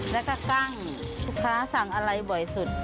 แล้วก็กั้งลูกค้าสั่งอะไรบ่อยสุด